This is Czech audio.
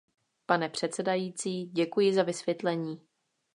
Pane předsedající, děkuji za vysvětlení.